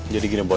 jadi gini boy